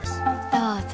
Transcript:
どうぞ。